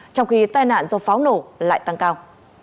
trong khi tai nạn do pháo nổ lại tăng cao